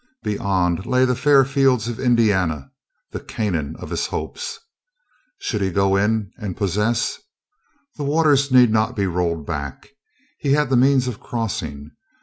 Beyond lay the fair fields of Indiana, the Canaan of his hopes. Should he go in and possess? The waters needed not to be rolled back. He had the means of crossing.